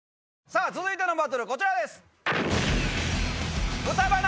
さぁ続いてのバトルこちらです。